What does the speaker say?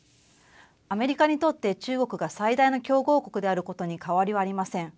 アメリカにとって中国が最大の競合国であることに変わりはありません。